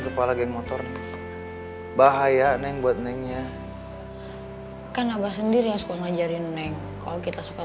kepala geng motor bahaya neng buat nengnya kan abah sendiri yang suka ngajarin neng kalau kita suka